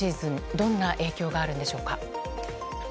どんな影響があるんでしょうか。